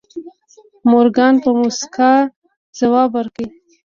مورګان په موسکا ځواب ورکړ.